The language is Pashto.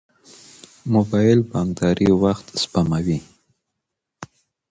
موبایل بانکداري وخت سپموي.